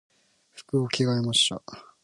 服を着替えました。